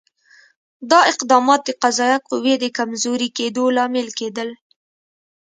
دا اقدامات د قضایه قوې د کمزوري کېدو لامل کېدل.